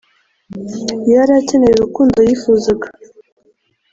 yari akeneye urukundo yifuzaga ..